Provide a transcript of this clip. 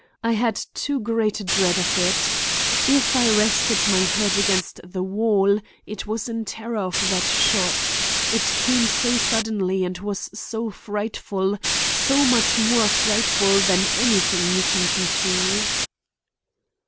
I had too great a dread of it. If I rested my head against the wall it was in terror of that shot. It came so suddenly and was so frightful, so much more frightful than anything you can conceive."